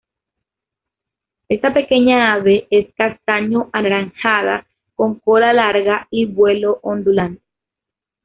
Esta pequeña ave es castaño anaranjada con cola larga y vuelo ondulante.